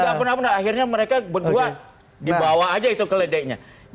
gak pernah pernah akhirnya mereka berdua dibawa aja itu keledainya